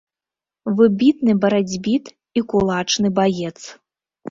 Выбітны барацьбіт і кулачны баец.